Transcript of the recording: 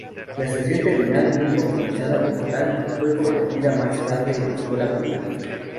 La estación terminal, nunca utilizada como tal, fue convertida más tarde en escuela primaria.